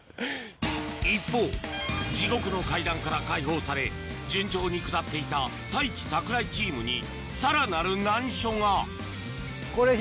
一方地獄の階段から解放され順調に下っていた太一・櫻井チームにさらなる難所が左？